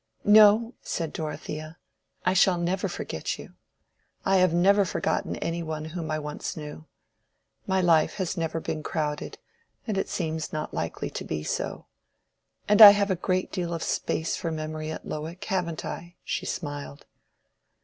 "No," said Dorothea, "I shall never forget you. I have never forgotten any one whom I once knew. My life has never been crowded, and seems not likely to be so. And I have a great deal of space for memory at Lowick, haven't I?" She smiled.